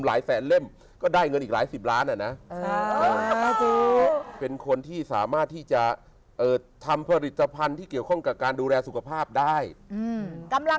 ประสบการณ์ใน๗ประเทศของกัปตันกิฟต์